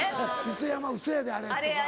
「磯山ウソやであれ」とか。